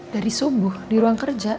dari subuh di ruang kerja